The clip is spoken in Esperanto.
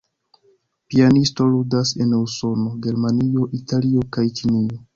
Pianisto ludas en Usono, Germanio, Italio, kaj Ĉinio.